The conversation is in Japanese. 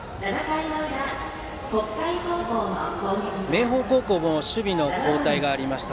明豊高校も守備の交代がありました。